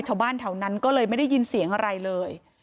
ชาวบ้านแถวนั้นก็เลยไม่ได้ยินเสียงอะไรเลย